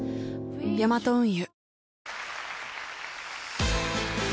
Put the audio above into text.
ヤマト運輸